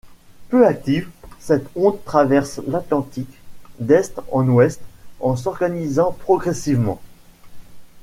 Peu active, cette onde traverse l'Atlantique d'est en ouest en s'organisant progressivement.